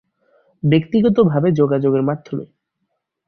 ব্যক্তিগতভাবে যোগাযোগের মাধ্যমে।